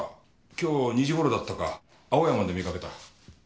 今日２時頃だったか青山で見かけた。